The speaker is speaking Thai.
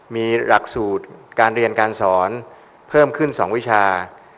มีหลักสูตรการเรียนการสอนเพิ่มขึ้น๒วิชา